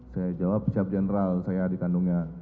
saya jawab siap general saya adik kandungnya